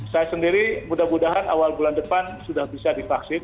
saya sendiri mudah mudahan awal bulan depan sudah bisa divaksin